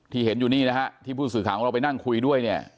เห็นอยู่นี่นะฮะที่ผู้สื่อข่าวของเราไปนั่งคุยด้วยเนี่ย